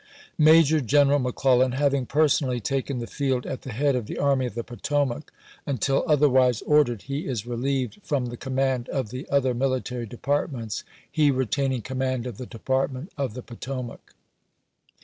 Major General McClellan having personally taken the field at the head of the Army of the Potomac, until otherwise ordered he is relieved from the command of the other military departments, he retaining command of the Department of the Potomac.